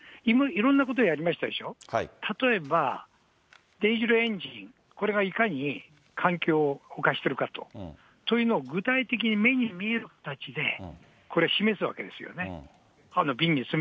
いろんなことをやりましたでしょ、例えば、ディーゼルエンジン、これがいかに環境を侵しているか、そういうのを具体的に目に見える形でこれ、示すわけですよね。。